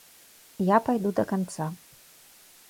Я пайду да канца.